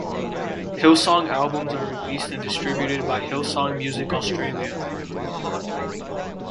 Hillsong albums are released and distributed by Hillsong Music Australia.